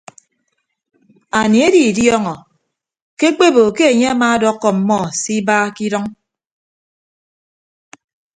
Anie edidiọọñọ ke ekpebo ke enye amaadọkkọ ọmmọ se iba ke idʌñ.